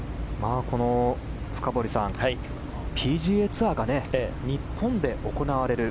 深堀さん、ＰＧＡツアーが日本で行われる。